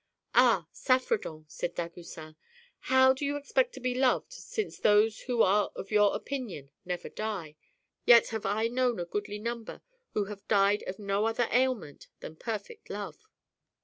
" Ah, Saffredent !" said Dagoucin, " how do you expect to be loved since those who are of your opinion never die? Yet have I known a goodly number who have died of no other ailment than perfect love."